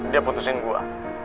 dia putusin gue